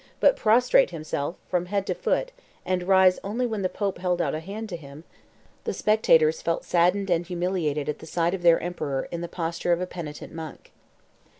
but prostrate himself, from head to foot, and rise only when the Pope held out a hand to him, the spectators felt saddened and humiliated at the sight of their emperor in the posture of a penitent monk.